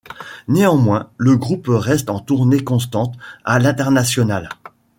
Néanmoins, le groupe reste en tournée constante à l'international.